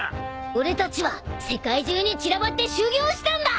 俺たちは世界中に散らばって修業したんだ！